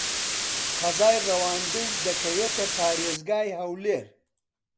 قەزای ڕەواندز دەکەوێتە پارێزگای هەولێر.